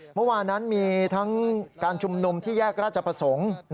เมื่อวานนั้นมีทั้งการชุมนุมที่แยกราชประสงค์